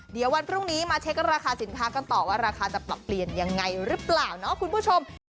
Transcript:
เดี๋ยววันพรุ่งนี้มาเช็คราคาสินค้ากันต่อว่าราคาจะปรับเปลี่ยนยังไงหรือเปล่าเนาะคุณผู้ชม